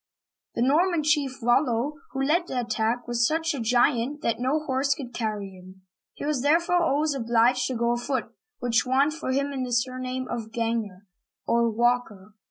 The Norman chief, Rol'lo, who led the attack, was such a giant that no horse could carry him. He was, therefore, always obliged to go afoot, which won for him the sur name of " Ganger '* (gang'er), or Walker."